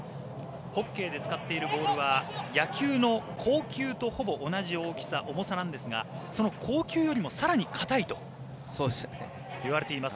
ホッケーで使っているボールは野球の硬球とほぼ同じ大きさ重さなんですが、その硬球よりもさらに硬いといわれています。